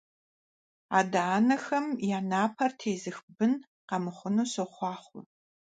Адэ-анэхэм я напэр тезых бын къэмыхъуну сохъуахъуэ!